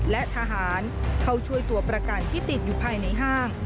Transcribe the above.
และทหารเข้าช่วยตัวประกันที่ติดอยู่ภายในห้าง